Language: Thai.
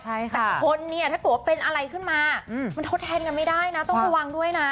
แต่คนเนี่ยถ้าเกิดว่าเป็นอะไรขึ้นมามันทดแทนกันไม่ได้นะต้องระวังด้วยนะ